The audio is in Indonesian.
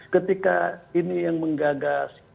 ketika ini yang menggagas